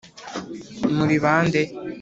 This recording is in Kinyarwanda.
muri bande?